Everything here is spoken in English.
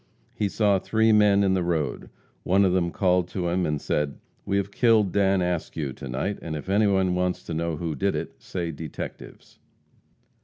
He saw three men in the road. One of them called to him and said, "We have killed Dan Askew to night, and if anyone wants to know who did it, say detectives."